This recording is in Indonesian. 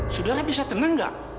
sudara bisa tenang nggak